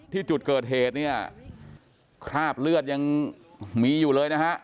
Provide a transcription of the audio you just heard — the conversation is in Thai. ที่จุดเกิดเหตุเนี่ยคราบเลือดยังมีอยู่เลยนะฮะ